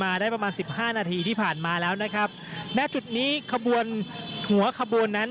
ได้ประมาณสิบห้านาทีที่ผ่านมาแล้วนะครับณจุดนี้ขบวนหัวขบวนนั้น